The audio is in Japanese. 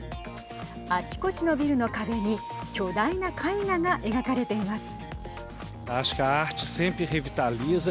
あちこちのビルの壁に巨大な絵画が描かれています。